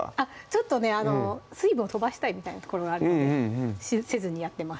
ちょっとね水分を飛ばしたいみたいなところがあるのでせずにやってます